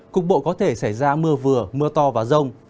cục bộ có thể xảy ra mưa vừa mưa to và rông